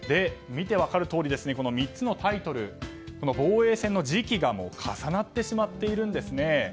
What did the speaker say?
見て分かるとおりこの３つのタイトルの防衛戦の時期が重なってしまっているんですね。